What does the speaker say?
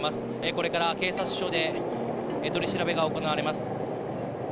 これから警察署で取り調べが行われます。